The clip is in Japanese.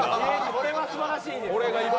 これは素晴らしいね。